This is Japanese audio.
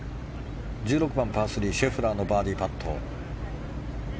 １６番、パー３シェフラーのバーディーパット。